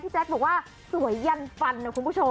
แจ๊คบอกว่าสวยยันฟันนะคุณผู้ชม